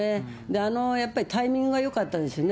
あのタイミングがよかったですよね。